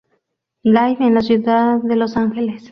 Live en la ciudad de Los Ángeles.